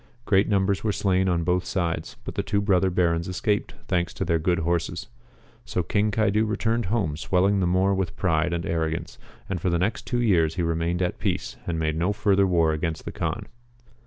Great numbers were slain on both sides, but the two brother Barons escaped, thanks to their good horses. So King Caidu returned home swelling the more with pride and arrogance, and for the next two years he remained at peace, and made no further war against the Kaan.